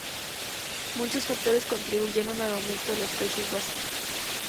Muchos factores contribuyeron al aumento de los precios básicos.